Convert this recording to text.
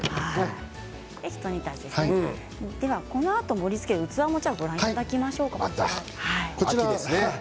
盛りつける器もご覧いただきましょう。